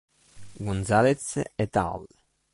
Gonzalez "et al".